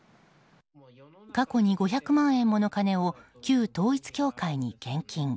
過去に５００万円もの金を旧統一教会に献金。